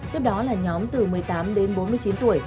tiếp đó là nhóm từ một mươi tám đến bốn mươi chín tuổi